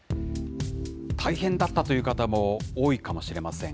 大変だったという方も多いかもしれません。